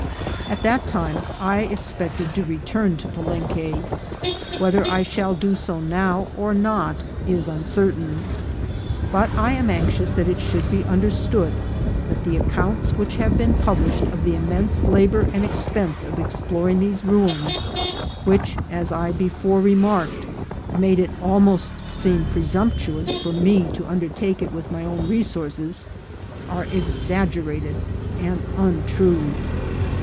At that time I expected to return to Palenque ; whether I shall do so now or not is uncertain ; but I am anxious that it should be understood that the accounts which have been published of the immense labour and expense of exploring these ruins, which, as I before re marked, made it almost seem presumptuous for me to SUFFERING FROM MOSCHETOES. 307 undertake it with my own resources, are exaggerated and untrue.